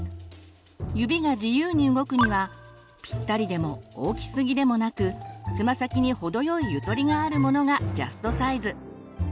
指が自由に動くにはぴったりでも大きすぎでもなくつま先に程よいゆとりがあるものがジャストサイズ。